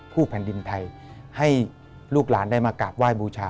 แผ่นดินไทยให้ลูกหลานได้มากราบไหว้บูชา